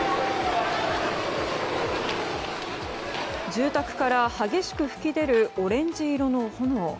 住宅から激しく噴き出るオレンジ色の炎。